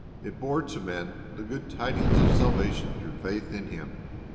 It bore to men the good tidings of saU'ation through faith in Him.